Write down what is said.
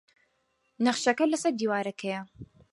نەخشەکە لەسەر دیوارەکەیە.